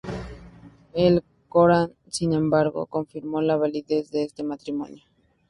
El Corán, sin embargo, confirmó la validez de este matrimonio.